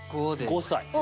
５歳。